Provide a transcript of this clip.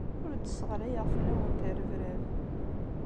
Ur d-sseɣlayeɣ fell-awent rrebrab.